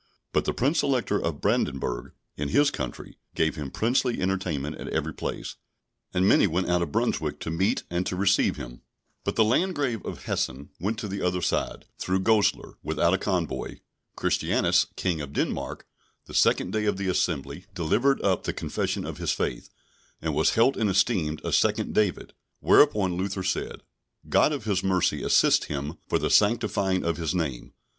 But the Prince Elector of Brandenburg, in his country, gave him princely entertainment in every place, and many went out of Brunswick to meet and to receive him. But the Landgrave of Hessen went on the other side, through Goslar, without a convoy. Christianus, King of Denmark, the second day of the assembly, delivered up the Confession of his Faith, and was held and esteemed a second David. Whereupon Luther said, God of his mercy assist him for the sanctifying of his name.